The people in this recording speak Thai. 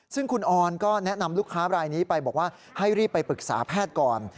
ซึ่งคุณออนก็แนะนำลูกค้ารายนี้ไปบอกว่าให้รีบไปปรึกษาแพทย์ก่อน